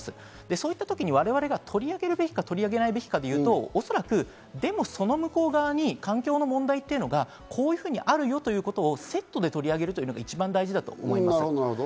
そういったときに我々が取り上げるべきかどうかというと、おそらく、でもその向こうに環境の問題がこういうふうにあるよとセットで取り上げるというのが一番大事なことだと思います。